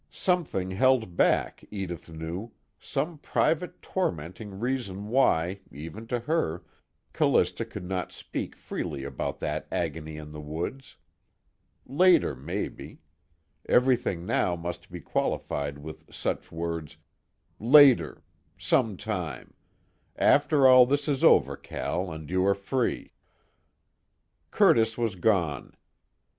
Something held back, Edith knew, some private tormenting reason why, even to her, Callista could not speak freely about that agony in the woods. Later, maybe. Everything now must be qualified with such words: "later" "some time" "after all this is over, Cal, and you are free." Curtis was gone.